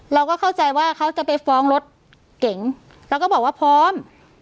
เราก็เข้าใจว่าเขาจะไปฟ้องรถเก๋งแล้วก็บอกว่าพร้อม